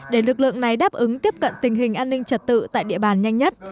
để lực lượng này đáp ứng tiếp cận tình hình an ninh trật tự tại địa bàn nhanh nhất